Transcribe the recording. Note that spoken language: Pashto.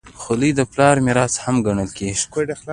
خولۍ د پلار میراث هم ګڼل کېږي.